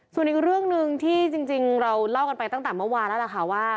ส่วนอีกเรื่องหนึ่งที่จริงเราเล่ากันไปตั้งแต่เมื่อวานแล้วล่ะค่ะว่า